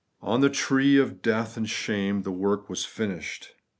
On that tree of death and shame the work was FINISHED.